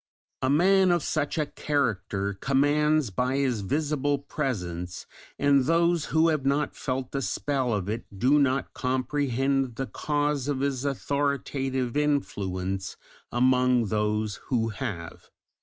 A man of such a character commands by his visible presence, and those who have not felt the spell of it do not comprehend the cause of his authoritative influence among those who have.